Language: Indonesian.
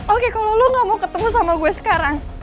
oke kalau lu gak mau ketemu sama gue sekarang